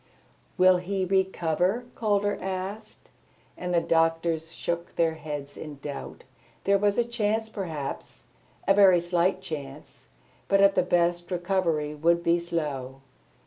"Will he recover?" Calder asked, and the doctors shook their heads in doubt. There was a chance perhaps, a very slight chance; but at the best, recovery would be slow.